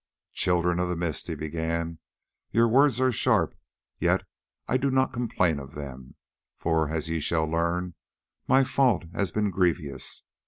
"Children of the Mist," he began, "your words are sharp, yet I do not complain of them, for, as ye shall learn, my fault has been grievous.